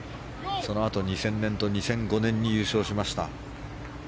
そのあと２０００年と２００５年に優勝しました。